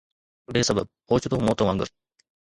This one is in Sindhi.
بي سبب اوچتو موت وانگر